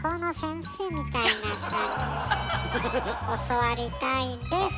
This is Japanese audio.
教わりたいです！